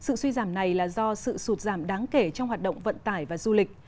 sự suy giảm này là do sự sụt giảm đáng kể trong hoạt động vận tải và du lịch